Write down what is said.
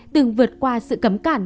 từng vượt qua sự cấm cản